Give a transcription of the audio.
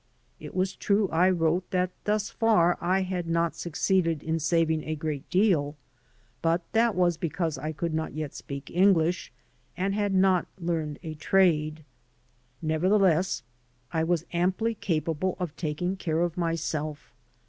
It was true, I wrote, that thus far I had not succeeded in saving a great deal, but that was because I could not yet speak English and had not learned a trade. Nevertheless, I was amply capable of taking care of myself.